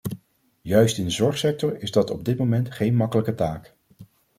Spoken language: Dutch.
Juist in de zorgsector is dat op dit moment geen makkelijke taak.